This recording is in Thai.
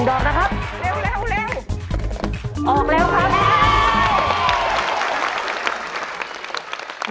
ออกเร็วครับ